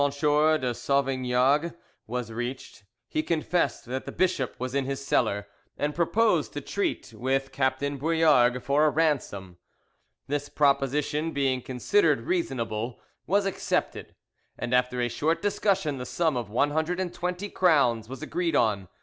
de Sauvignargues was reached, he confessed that the bishop was in his cellar, and proposed to treat with Captain Bouillargues for a ransom. This proposition being considered reasonable, was accepted, and after a short discussion the sum of 120 crowns was agreed on.